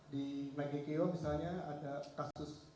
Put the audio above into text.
di magikio misalnya ada kasus korupsi